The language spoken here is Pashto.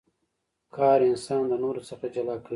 قهر انسان د نورو څخه جلا کوي.